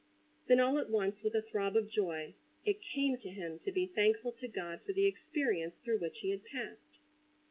Then, all at once, with a throb of joy, it came to him to be thankful to God for the experience through which he had passed.